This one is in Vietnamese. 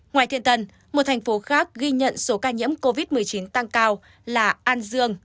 ngoài thiên tân một thành phố khác ghi nhận số ca nhiễm covid một mươi chín tăng cao là an dương